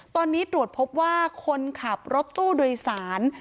ตอนนี้ตรวจพบว่าคนขับรถตู้โดยสาร